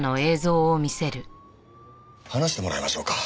話してもらいましょうか。